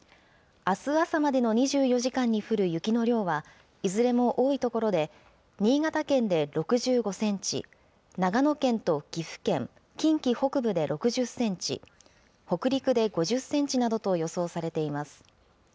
あす朝までの２４時間に降る雪の量は、いずれも多い所で、新潟県で６５センチ、長野県と岐阜県、近畿北部で６０センチ、北陸で５０センチなどと予想されています。